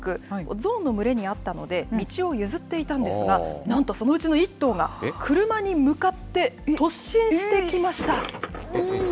象の群れに会ったので、道を譲っていたんですが、なんとそのうちの１頭が、車に向かって突進してきました。